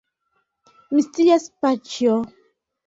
Mi scias, paĉjo.